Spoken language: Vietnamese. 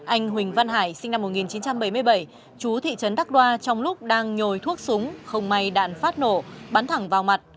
anh huỳnh văn hải sinh năm một nghìn chín trăm bảy mươi bảy chú thị trấn đắk đoa trong lúc đang nhồi thuốc súng không may đạn phát nổ bắn thẳng vào mặt